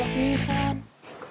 kalo kamu mau ke tempat yang lain